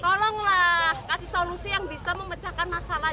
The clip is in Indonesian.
tolonglah kasih solusi yang bisa memecahkan masalah